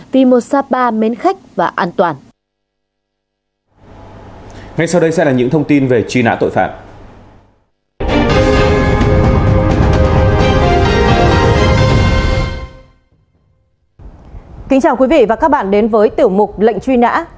kính chào quý vị và các bạn đến với tiểu mục lệnh truy nã